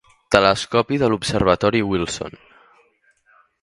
Telescopi de l"observatori Wilson.